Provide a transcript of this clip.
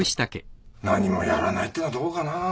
何もやらないっていうのはどうかな？